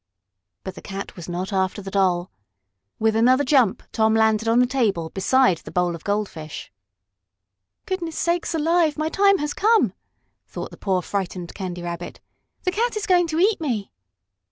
But the cat was not after the Doll. With another jump Tom landed on the table beside the bowl of goldfish. "Goodness sakes alive! my time has come," thought the poor frightened Candy Rabbit. "The cat is going to eat me!"